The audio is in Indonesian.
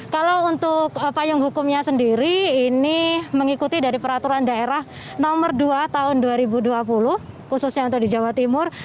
kalau untuk payung hukumnya sendiri ini mengikuti dari peraturan daerah nomor dua tahun dua ribu dua puluh khususnya untuk di jawa timur